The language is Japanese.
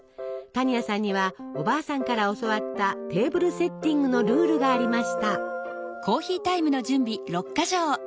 多仁亜さんにはおばあさんから教わったテーブルセッティングのルールがありました。